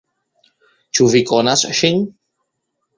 Ĉu vi konas ŝin?